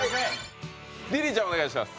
リリーちゃん、お願いします